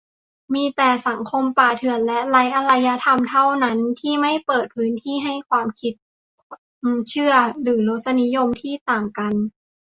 มีแต่สังคมป่าเถื่อนและไร้อารยะเท่านั้น ที่ไม่เปิดพื้นที่ให้ความคิด ความเชื่อ หรือรสนิยมที่แตกต่าง